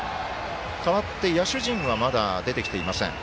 かわって野手陣はまだ出てきていません。